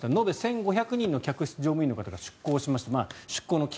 延べ１５００人の客室乗務員の方が出向しました。